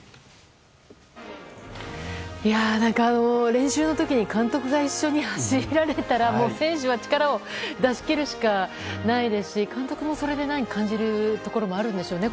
練習の時に監督が一緒に走られたら選手は力を出し切るしかないですし監督もそれで感じることがあるんでしょうね。